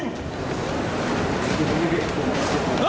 สวัสดีครับ